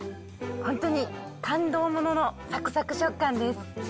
本当に感動もののさくさく食感です。